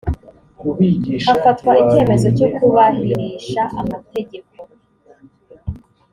hafatwa icyemezo cyo kubahirisha amategeko